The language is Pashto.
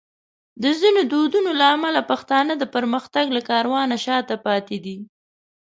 د ځینو دودونو له امله پښتانه د پرمختګ له کاروانه شاته پاتې دي.